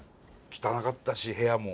汚かったし部屋も。